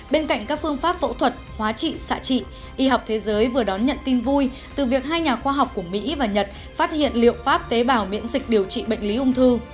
bên cạnh các phương pháp phẫu thuật hóa trị xạ trị y học thế giới vừa đón nhận tin vui từ việc hai nhà khoa học của mỹ và nhật phát hiện liệu pháp tế bào miễn dịch điều trị bệnh lý ung thư